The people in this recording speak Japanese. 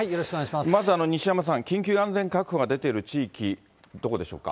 まず西山さん、緊急安全確保が出ている地域、どこでしょうか。